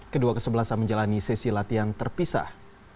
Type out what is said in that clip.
kedua kesebelasan menjalani sesi latihan terpisah